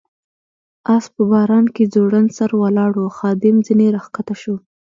آس په باران کې ځوړند سر ولاړ و، خادم ځنې را کښته شو.